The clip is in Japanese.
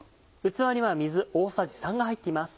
器には水大さじ３が入っています。